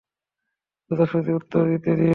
সোজাসুজি উত্তর দিয়ে দিন!